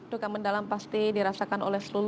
duka mendalam pasti dirasakan oleh seluruh